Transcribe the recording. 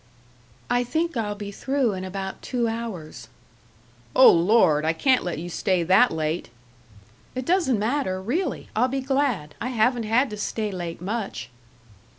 "I think I'll be through in about two hours." "Oh, Lord! I can't let you stay that late." "It doesn't matter. Really! I'll be glad. I haven't had to stay late much."